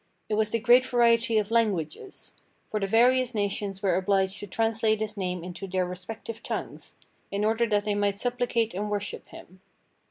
It was the great variety of languages; for the various nations were obliged to translate his name into their respective tongues, in order that they might supplicate and worship him.